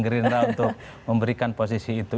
gerindra untuk memberikan posisi itu